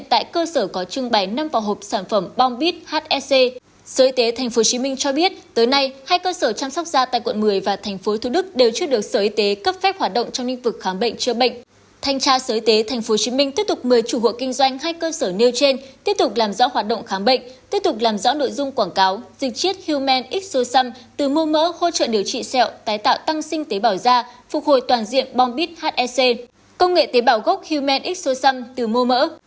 thành tra sở y tế tp hcm tiếp tục mời chủ hội kinh doanh hai cơ sở nêu trên tiếp tục làm rõ hoạt động khám bệnh tiếp tục làm rõ nội dung quảng cáo dịch chết human x sosam từ mô mỡ hỗ trợ điều trị sẹo tái tạo tăng sinh tế bảo da phục hồi toàn diện bom bít hsc công nghệ tế bảo gốc human x sosam từ mô mỡ